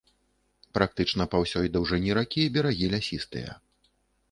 Практычна па ўсёй даўжыні ракі берагі лясістыя.